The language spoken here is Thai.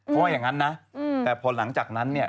เพราะว่าอย่างนั้นนะแต่พอหลังจากนั้นเนี่ย